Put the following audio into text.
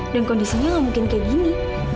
dan kondisinya gak mungkin kayak gini